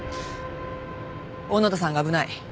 小野田さんが危ない。